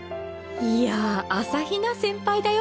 いや朝日奈先輩だよ？